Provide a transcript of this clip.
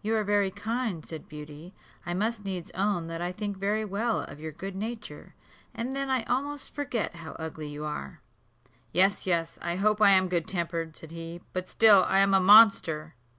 "You are very kind," said Beauty: "I must needs own that I think very well of your good nature, and then I almost forget how ugly you are." "Yes, yes, I hope I am good tempered," said he, "but still I am a monster."